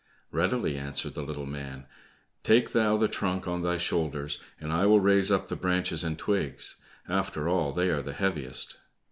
"Readily," answered the little man; "take thou the trunk on thy shoulders, and I will raise up the branches and twigs; after all, they are the heaviest."